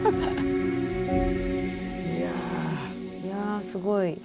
いやすごい。